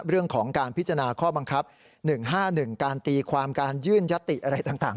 เรื่องของการพิจารณาข้อบังคับหนึ่งห้าหนึ่งการตีความการยื่นยัตติอะไรต่างต่าง